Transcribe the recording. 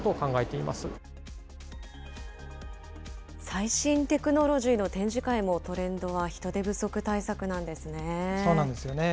最新テクノロジーの展示会もトレンドは人手不足対策なんですそうなんですよね。